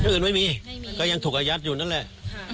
อื่นไม่มีก็ยังถูกอายัดอยู่นั่นแหละ